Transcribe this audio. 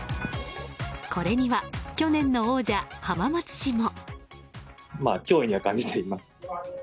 これには、去年の王者浜松市も。